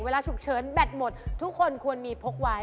เวลาฉุกเฉินแบตหมดทุกคนควรมีพกไว้